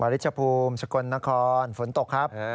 ริชภูมิสกลนครฝนตกครับ